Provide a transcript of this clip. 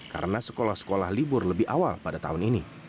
karena sekolah sekolah libur lebih awal pada tahun ini